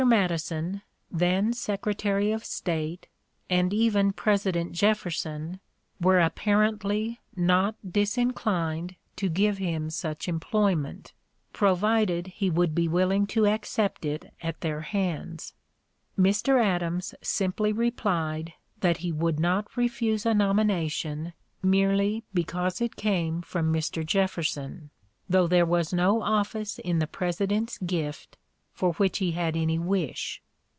Madison, then Secretary of State, and even President Jefferson were apparently not disinclined to give him such employment, provided he would be willing to accept it at their hands. Mr. Adams simply replied, (p. 069) that he would not refuse a nomination merely because it came from Mr. Jefferson, though there was no office in the President's gift for which he had any wish.